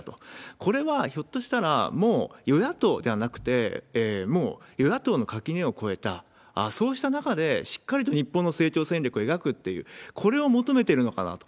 これはひょっとしたら、もう与野党ではなくて、もう与野党の垣根を越えたそうした中で、しっかりと日本の成長戦略を描くっていう、これを求めてるのかなと。